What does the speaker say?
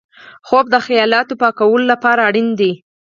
خوب د خیالاتو پاکولو لپاره اړین دی